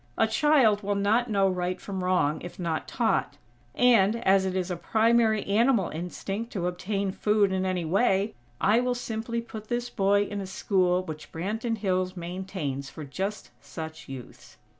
A child will not know right from wrong if not taught; and, as it is a primary animal instinct to obtain food in any way, I will simply put this boy in a school which Branton Hills maintains for just such youths."